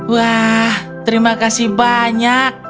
wah terima kasih banyak